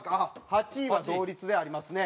８位は同率でありますね。